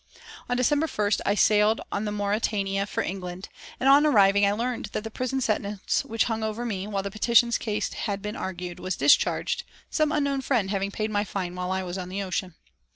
On December 1st I sailed on the Mauretania for England, and on arriving I learned that the prison sentence which hung over me while the petitions case had been argued, was discharged, some unknown friend having paid my fine while I was on the ocean.